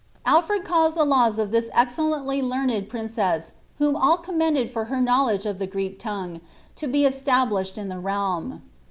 Alfred caused the laws of this excellently learned prin cess, whom all commended for her knowledge of the Greek tongue, to be established in the realm."